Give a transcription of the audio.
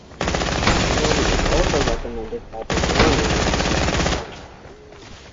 The film is also recommended by the "War Nerd" Gary Brecher.